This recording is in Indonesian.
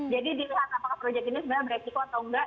jadi dilihat apakah proyek ini sebenarnya beresiko atau enggak